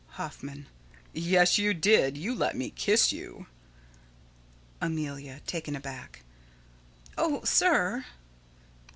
Hoffman: Yes, you did. You let me kiss you. Amelia: [Taken aback.] Oh, sir!